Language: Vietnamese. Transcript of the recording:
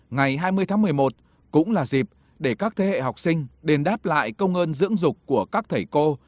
ngày hai mươi tháng một mươi một cũng là dịp để các thế hệ học sinh đền đáp lại công ơn dưỡng dục của các thầy cô